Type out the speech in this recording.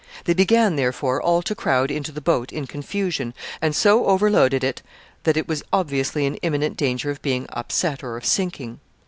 They began, therefore, all to crowd into the boat in confusion, and so overloaded it that it was obviously in imminent danger of being upset or of sinking.